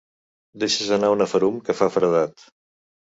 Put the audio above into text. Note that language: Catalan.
Deixes anar una ferum que fa feredat.